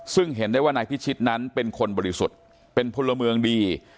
ซึ่งเห็นได้ว่านายพิชิตนั้นเป็นคนบริสุทธิ์เป็นพลเมืองดี